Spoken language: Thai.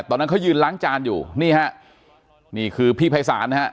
ตอนนั้นเขายืนล้างจานอยู่นี่ฮะนี่คือพี่ภัยศาลนะฮะ